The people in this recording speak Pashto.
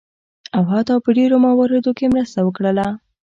او حتی په ډیرو مواردو کې مرسته وکړله.